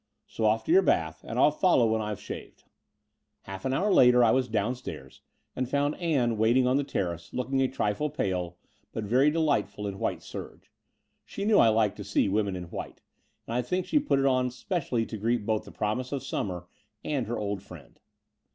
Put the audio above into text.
"So off to your bath, and I'll follow when I've shaved." Half an hour later I was downstairs and found Ann waiting on the terrace, looking a trifle pale, but very delightful in white serge. She knew I liked to see women in white : and I think she put it on specially to greet both the promise of stmmier and her old friend.